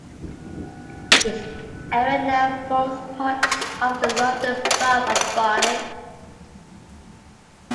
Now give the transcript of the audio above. This area now forms part of the London Borough of Barnet.